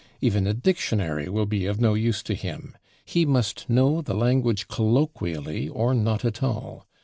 Even a dictionary will be of no use to him. He must know the language colloquially or not at all....